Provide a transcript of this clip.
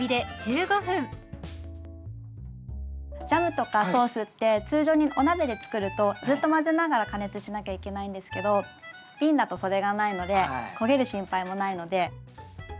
ジャムとかソースって通常にお鍋で作るとずっと混ぜながら加熱しなきゃいけないんですけどびんだとそれがないので焦げる心配もないので。